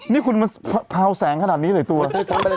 นี่คุณมันเผาแสงขนาดนี้หรืออย่างนี้